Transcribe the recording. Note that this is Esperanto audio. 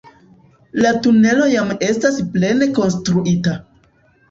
La tunelo jam estas plene konstruita.